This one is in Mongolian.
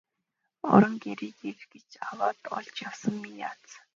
Орон гэрийг эрж яваад олж явсан миний аз.